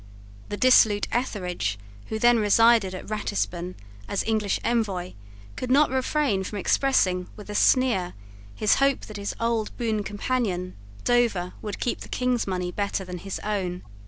The dissolute Etherege, who then resided at Ratisbon as English envoy, could not refrain from expressing, with a sneer, his hope that his old boon companion, Dover, would keep the King's money better than his own.